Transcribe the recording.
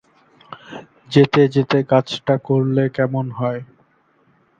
যেতে যেতে কাজটা করলে কেমন হয়?